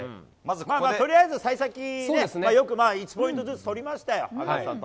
とりあえず、さい先よく１ポイントずつ取りましたよ、赤星さんと。